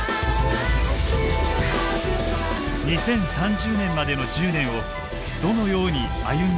２０３０年までの１０年をどのように歩んでいくべきなのか。